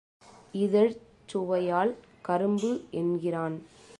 இதழ்ச் சுவையால் கரும்பு என்கிறான்.